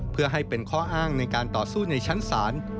เพื่อให้เป็นข้ออ้างในการต่อสู้ในชั้นศาล